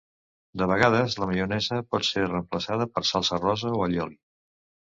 De vegades, la maionesa pot ser reemplaçada, per salsa rosa o allioli.